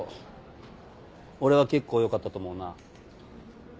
俺は結構良かったと思うな。